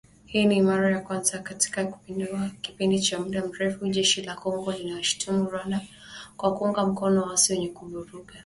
Hii ni mara ya kwanza katika kipindi cha muda mrefu, Jeshi la Kongo linaishutumu Rwanda kwa kuunga mkono waasi wenye kuvuruga utulivu